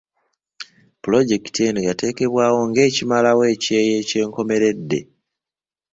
Pulojekiti eno yateekebwawo ng'ekimalawo ekyeya eky'enkomeredde.